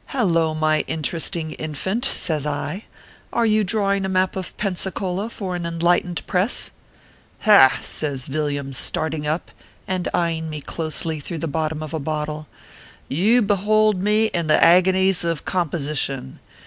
" Hallo, my interesting infant," says I, " are you drawing a map of Pensacola for an enlightened press ?"" Ha !" says Villiam, starting up, and eyeing me closely through the bottom, of a bottle, "you behold me in the agonies of composition.